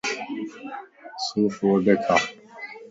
سوڦ وڊي کا